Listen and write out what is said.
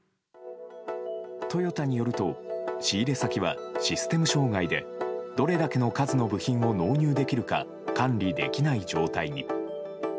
トヨタによると仕入れ先はシステム障害でどれだけの数の部品を納入できるか管理できない状態に。